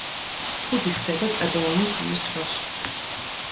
ქუდი ხდება წებოვანი წვიმის დროს.